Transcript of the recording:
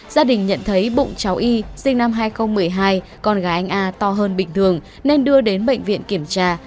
gia đình nhận thấy bụng cháu y sinh năm hai nghìn một mươi hai con gái anh a to hơn bình thường nên đưa đến bệnh viện kiểm tra